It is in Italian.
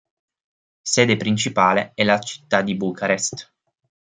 Sede principale è la città di Bucarest.